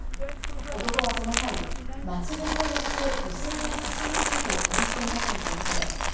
男はその際、待ち伏せをして女性を刺しましたと話していたということです。